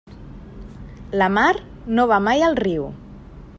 La mar no va mai al riu.